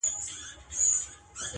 هسي ویني بهېدلې له پرهاره!!